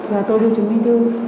rồi tôi đưa chứng minh thư